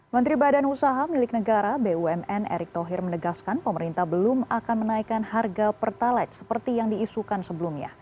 menteri badan usaha milik negara bumn erick thohir menegaskan pemerintah belum akan menaikkan harga pertalite seperti yang diisukan sebelumnya